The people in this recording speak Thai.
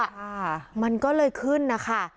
ค่ะมันก็เลยขึ้นนะคะ